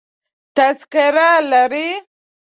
تذکره لرې؟